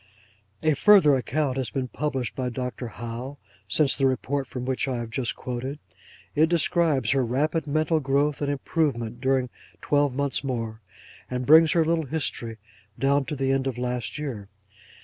A further account has been published by Dr. Howe, since the report from which I have just quoted. It describes her rapid mental growth and improvement during twelve months more, and brings her little history down to the end of last year.